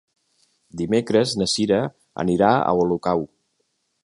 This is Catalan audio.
Dimecres na Cira anirà a Olocau.